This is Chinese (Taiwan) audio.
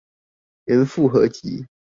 嚴復合集